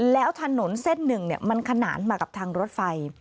แล้วถนนเส้นหนึ่งมันขนานมากับทางรถไฟ